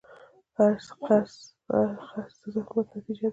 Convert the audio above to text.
هر خرڅ د زحمت نتیجه ده.